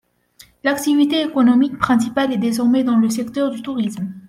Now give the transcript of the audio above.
L'activité économique principale est désormais dans le secteur du tourisme.